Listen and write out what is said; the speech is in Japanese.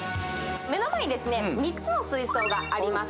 目の前に３つの水槽があります。